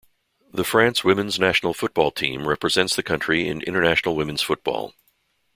The France women's national football team represents the country in international women's football.